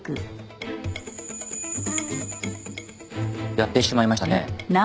やってしまいましたね。